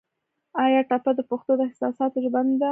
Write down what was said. آیا ټپه د پښتو د احساساتو ژبه نه ده؟